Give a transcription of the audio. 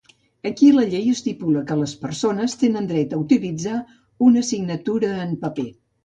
Aquí la llei estipula que les persones tenen dret a utilitzar una signatura en paper.